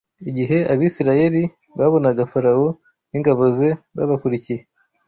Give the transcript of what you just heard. Igihe Abisirayeli babonaga Farawo n’ingabo ze babakurikiye